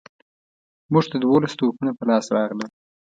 موږ ته دوولس توپونه په لاس راغلل.